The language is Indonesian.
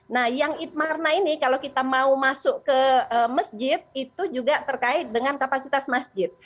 nah yang itmarna ini kalau kita mau masuk ke masjid itu juga terkait dengan kapasitas masjid